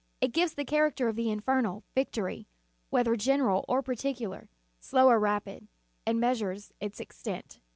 It gives the character of the infernal victory, whe ther general or particular, slow or rapid, and measures its extent.